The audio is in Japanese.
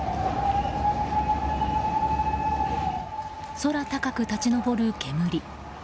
空高く立ち上る煙。